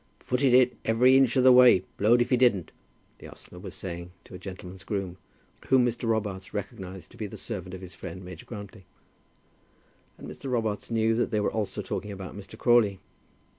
"Footed it every inch of the way, blowed if he didn't," the ostler was saying to a gentleman's groom, whom Mr. Robarts recognized to be the servant of his friend, Major Grantly; and Mr. Robarts knew that they also were talking about Mr. Crawley.